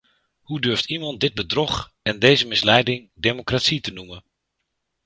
Hoe durft iemand dit bedrog en deze misleiding democratie te noemen?